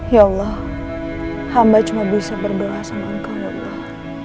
ya allah hamba cuma bisa berdoa sama engkau ya allah